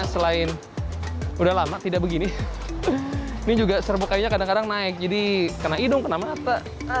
selain udah lama tidak begini ini juga serbuk kayunya kadang kadang naik jadi kena hidung kena mata